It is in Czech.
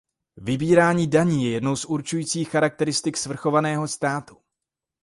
Vybírání daní je jednou z určujících charakteristik svrchovaného státu.